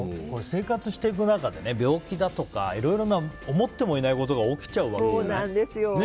生活していく中で、病気だとかいろいろな思ってもいないことが起きちゃうわけだよね。